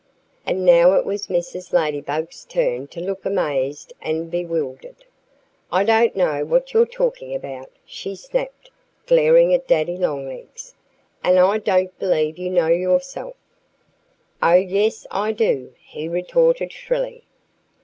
And now it was Mrs. Ladybug's turn to look amazed and bewildered. "I don't know what you're talking about," she snapped, glaring at Daddy Longlegs. "And I don't believe you know, yourself." "Oh! yes, I do!" he retorted shrilly.